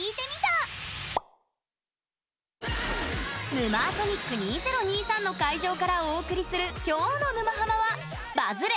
「ヌマーソニック２０２３」の会場からお送りする今日の「沼ハマ」はバズれ！